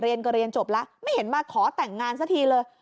เรียนก็เรียนจบแล้วไม่เห็นมาขอแต่งงานสักทีเลย